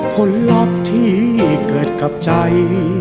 ผลลัพธ์ที่เกิดกับใจ